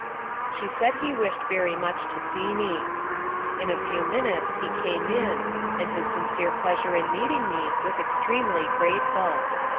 She said he wished very much to see me. In a few minutes he came in, and his sincere pleasure in meeting me was extremely grateful.